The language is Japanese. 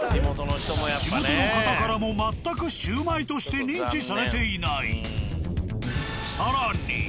地元の方からも全くシウマイとして認知されていない。